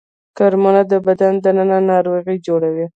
کرمونه د بدن دننه ناروغي جوړوي